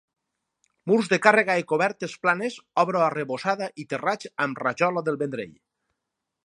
Murs de càrrega i cobertes planes, obra arrebossada i terrats amb rajola del Vendrell.